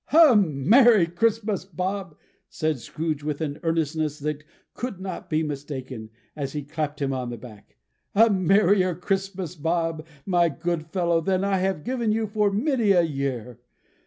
"A Merry Christmas, Bob!" said Scrooge, with an earnestness that could not be mistaken, as he clapped him on the back. "A Merrier Christmas, Bob, my good fellow, than I have given you for many a year!